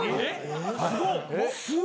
すごっ。